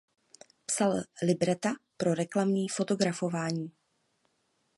Psal libreta pro reklamní fotografování.